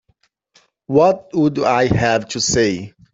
What would I have to say?